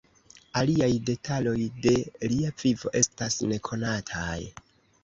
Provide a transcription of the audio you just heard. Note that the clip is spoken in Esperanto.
Aliaj detaloj de lia vivo estas nekonataj.